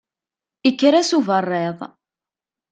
Ikker-as uberriḍ.